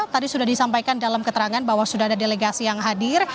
tadi sudah disampaikan dalam keterangan bahwa sudah ada delegasi yang hadir